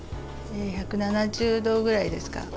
１７０度ぐらいですか。